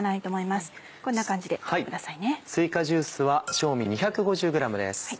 すいかジュースは正味２５０ｇです。